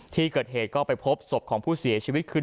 ที่เกิดเหตุก็ไปพบศพของผู้เสียชีวิตคือ